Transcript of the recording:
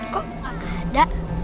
kok gak ada